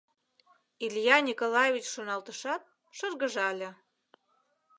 — Илья Николаевич шоналтышат, шыргыжале.